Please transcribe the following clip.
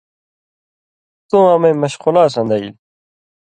تُوں امَیں مشقُلا سن٘دئیل